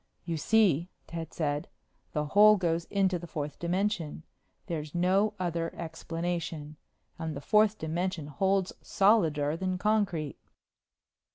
"You see," Ted said, "The hole goes into the fourth dimension. There's no other explanation. And the fourth dimension holds solider than concrete."